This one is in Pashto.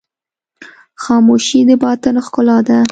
خاموشي، د باطن ښکلا ده.